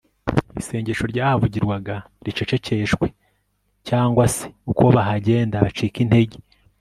isengesho ryahavugirwaga ricecekeshwe, cyangwa se uko bahagenda bacike intege